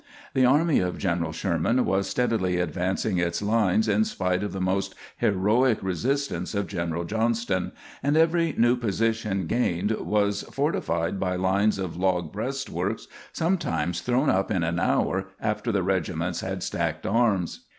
The army of General Sherman was steadily advancing its lines in spite of the most heroic resistance of General Johnston, and every new position gained was fortified by lines of log breastworks, sometimes thrown up in an hour after the regiments had stacked arms.